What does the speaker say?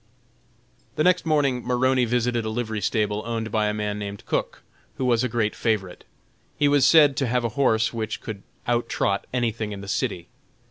The next morning Maroney visited a livery stable owned by a man named Cook, who was a great favorite. He was said to have a horse which could out trot anything in the city.